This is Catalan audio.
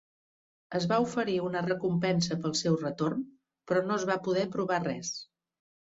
Es va oferir una recompensa pel seu retorn, però no es va poder provar res.